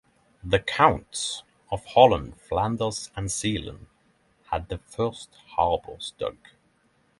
The Counts of Holland, Flanders, and Zeeland had the first harbours dug.